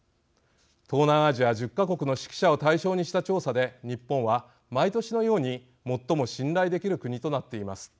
東南アジア１０か国の識者を対象にした調査で日本は毎年のように最も信頼できる国となっています。